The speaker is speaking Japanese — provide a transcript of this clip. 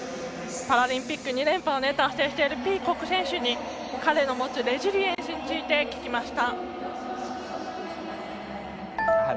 パラリンピック２連覇を達成しているピーコック選手に彼の持つレジリエンスについて聞きました。